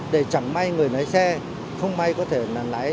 để chẳng may người lái xe không may có thể là lái